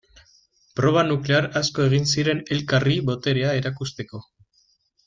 Proba nuklear asko egin ziren elkarri boterea erakusteko.